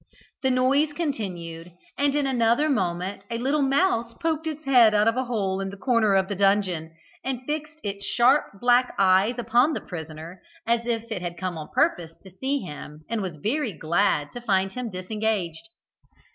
The noise continued, and in another moment a little mouse poked its head out of a hole in the corner of the dungeon, and fixed its sharp black eyes upon the prisoner as if it had come on purpose to see him and was very glad to find him disengaged.